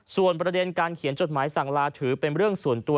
ส่วนประเด็นการเขียนจดหมายสั่งลาถือเป็นเรื่องส่วนตัว